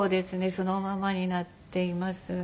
そのままになっています。